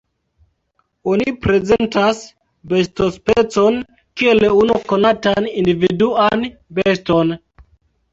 Oni prezentas bestospecon kiel unu konatan individuan beston.